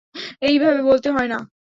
এইভাবে বলতে হয় না।